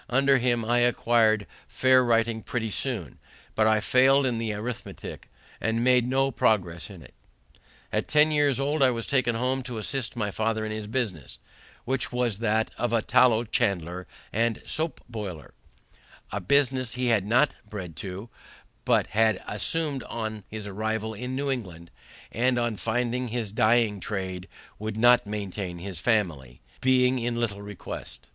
Under him I acquired fair writing pretty soon, but I failed in the arithmetic, and made no progress in it. At ten years old I was taken home to assist my father in his business, which was that of a tallow chandler and sope boiler; a business he was not bred to, but had assumed on his arrival in New England, and on finding his dyeing trade would not maintain his family, being in little request.